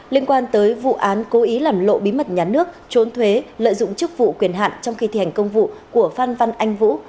liên quan tới vụ án cố ý làm lộ bí mật nhà nước trốn thuế lợi dụng chức vụ quyền hạn trong khi thi hành công vụ của phan văn anh vũ